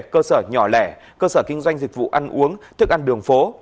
cơ sở nhỏ lẻ cơ sở kinh doanh dịch vụ ăn uống thức ăn đường phố